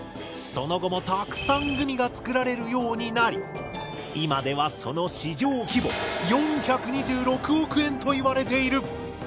その後もたくさんグミが作られるようになり今ではその市場規模４２６億円と言われている！